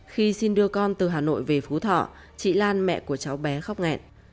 khi xin đưa con từ hà nội về phú thọ chị lan mẹ của cháu bé khóc nghẹn